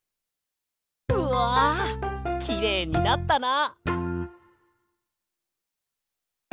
うわきれいになったな。